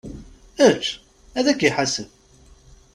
Ečč! Ad k-iḥaseb!